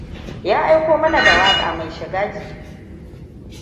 Ya aiko mana da waƙa mai shiga jiki.